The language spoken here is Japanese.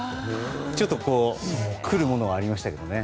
ちょっとくるものがありましたけどね。